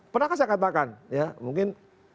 pernahkah saya katakan ya mungkin